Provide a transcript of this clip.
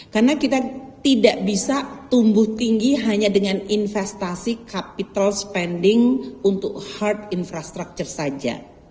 karena kita tidak bisa tumbuh tinggi hanya dengan investasi capital spending untuk hard infrastructure saja